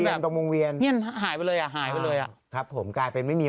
ตรงวงเวียนหายไปเลยอ่ะหายไปเลยอ่ะครับผมกลายเป็นไม่มี